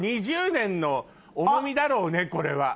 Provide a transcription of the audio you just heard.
２０年の重みだろうねこれは。